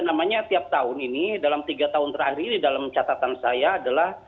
namanya tiap tahun ini dalam tiga tahun terakhir ini dalam catatan saya adalah